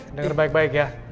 dengar baik baik ya